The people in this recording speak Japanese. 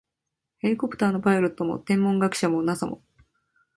ヘリコプターのパイロットも、天文学者も、ＮＡＳＡ も、